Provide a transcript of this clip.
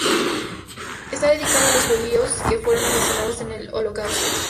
Está dedicado a los judíos que fueron asesinados en el Holocausto.